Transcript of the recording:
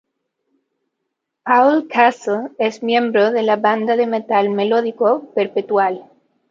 Paul Castle es miembro de la banda de metal melódico Perpetual.